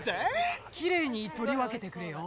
きれいにとり分けてくれよ。